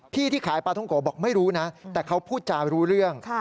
ที่ที่ขายปลาท่องโกะบอกไม่รู้นะแต่เขาพูดจารู้เรื่อง